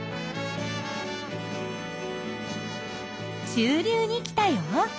中流に来たよ。